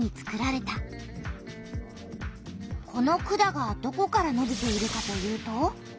この管がどこからのびているかというと。